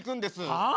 はあ？